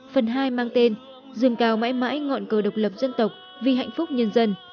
phần hai mang tên rừng cao mãi mãi ngọn cờ độc lập dân tộc vì hạnh phúc nhân dân